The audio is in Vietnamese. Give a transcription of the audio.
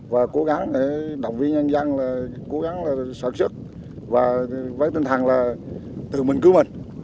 và cố gắng để động viên nhân dân là cố gắng là sở sức và với tinh thần là tự mình cứu mình